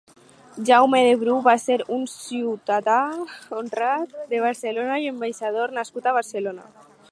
Jaume de Bru va ser un «Ciutadà honrat de Barcelona i ambaixador» nascut a Barcelona.